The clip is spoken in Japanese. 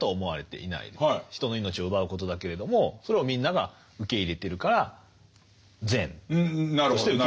人の命を奪うことだけれどもそれをみんなが受け入れてるから善として受け入れられてる。